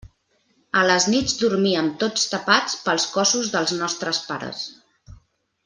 A les nits dormíem tots tapats pels cossos dels nostres pares.